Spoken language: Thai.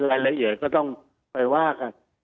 รายละเอียดก็ต้องไปว่ากัน